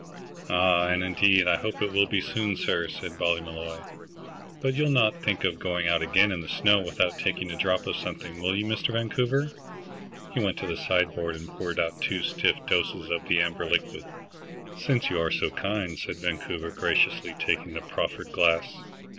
"Ah, and indeed, I hope it will be soon, sir," said Ballymolloy. "But you'll not think of going out again in the snow without taking a drop of something, will you, Mr. Vancouver?" He went to the sideboard and poured out two stiff doses of the amber liquid. "Since you are so kind," said Vancouver, graciously taking the proffered glass.